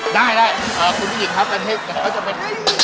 ได้คุณผิดหญิงครับอาเทศเขาจะเป็น